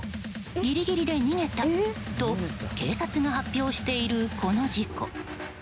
ギリギリで逃げたと警察が発表している、この事故。